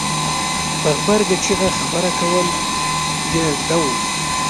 په غبرګه چېغه خبره کول یې زده وو.